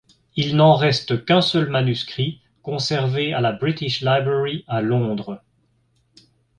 Il n'en reste qu'un seul manuscrit conservé à la British Library à Londres.